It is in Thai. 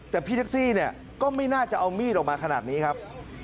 แต่พี่แท็กซี่เนี่ยก็ไม่น่าจะเอามีดออกมาขนาดนี้ครับ